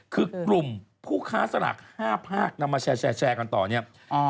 คือกลุ่มผู้ค้าสลาก๕ภาคนำมาแชร์กันต่อเนี่ย